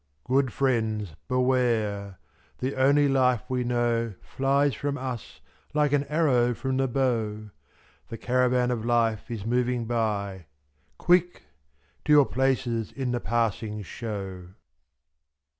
Good friends, beware ! the only life we know Flies from us like an arrow from the bow, x^y.The caravan of life is moving by. Quick ! to your places in the passing show.